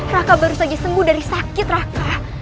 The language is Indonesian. raka baru saja sembuh dari sakit raka